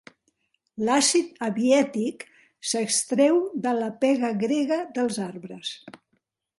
L'àcid abiètic s'extreu de la pega grega dels arbres.